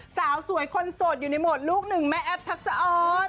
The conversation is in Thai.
สาวสวยคนโสดอยู่ในโหมดลูกหนึ่งแม่แอฟทักษะออน